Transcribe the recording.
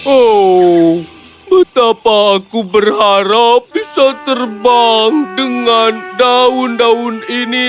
oh betapa aku berharap bisa terbang dengan daun daun ini